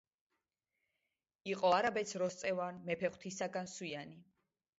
იყო არაბეთს როსტევან მეფე ღვთისაგან სვიანი